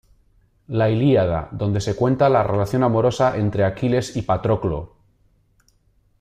La "Ilíada" donde se cuenta la relación amorosa entre Aquiles y Patroclo.